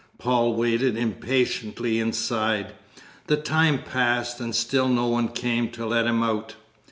Paul waited impatiently inside. The time passed, and still no one came to let him out.